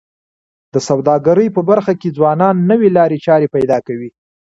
د سوداګرۍ په برخه کي ځوانان نوې لارې چارې پیدا کوي.